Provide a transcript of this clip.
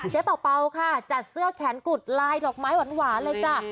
เป่าค่ะจัดเสื้อแขนกุดลายดอกไม้หวานเลยจ้ะ